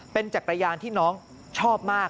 เป็นจักรยานที่น้องชอบมาก